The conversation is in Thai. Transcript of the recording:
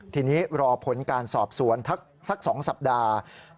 ทีนี้รอผลการสอบสวนสัก๒สัปดาห์